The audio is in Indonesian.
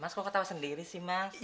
mas kok kau tawa sendiri sih mas